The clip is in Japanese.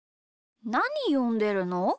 なによんでるの？